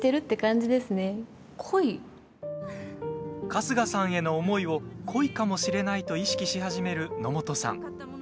春日さんへの思いを恋かもしれないと意識し始める野本さん。